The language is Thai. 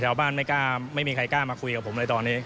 บ้านไม่กล้าไม่มีใครกล้ามาคุยกับผมเลยตอนนี้